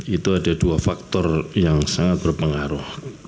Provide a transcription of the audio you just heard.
itu ada dua faktor yang sangat berpengaruh